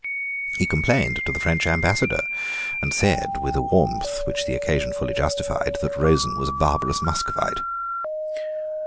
He complained to the French ambassador, and said, with a warmth which the occasion fully justified, that Rosen was a barbarous Muscovite.